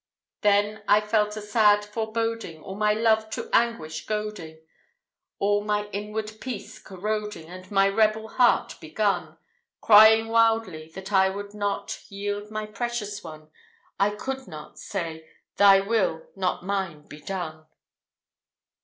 Then I felt a sad foreboding, All my soul to anguish goading, All my inward peace corroding; And my rebel heart begun, Crying wildly, that I would not Yield my precious one I could not Say, "Thy will, not mine, be done."